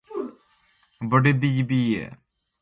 Mooriisi hoccii gummal ley ɓunnu.